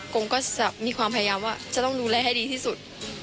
งงก็จะมีความพยายามว่าจะต้องดูแลให้ดีที่สุด